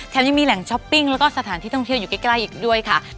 ยังมีแหล่งช้อปปิ้งแล้วก็สถานที่ท่องเที่ยวอยู่ใกล้อีกด้วยค่ะ